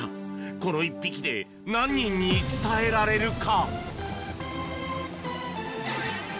この１匹で何人に伝えられるか。